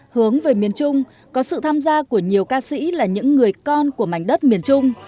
hướng về miền trung có sự tham gia của nhiều ca sĩ là những người con của mảnh đất miền trung